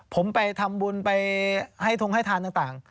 ผมไปทำบุญไปให้ทงให้ทานต่าง